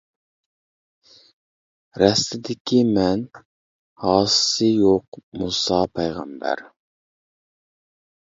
رەستىدىكى مەن ھاسىسى يوق مۇسا پەيغەمبەر.